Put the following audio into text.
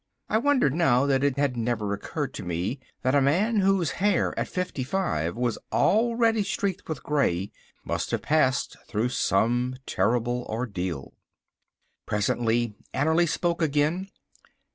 I wondered now that it had never occurred to me that a man whose hair at fifty five was already streaked with grey, must have passed through some terrible ordeal. Presently Annerly spoke again.